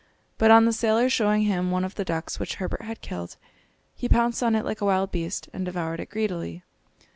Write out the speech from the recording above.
But on the sailor showing him one of the ducks which Herbert had killed, he pounced on it like a wild beast, and devoured it greedily.